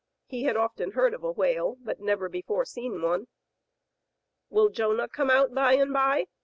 He had often heard of a whale, but never before seen one. Will Jonah come out by and by?"